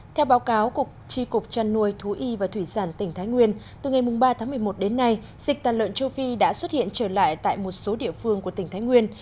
theo báo cáo của tri cục trăn nuôi thú y và thủy sản tỉnh thái nguyên từ ngày ba tháng một mươi một đến nay dịch tàn lợn châu phi đã xuất hiện trở lại tại một số địa phương của tỉnh thái nguyên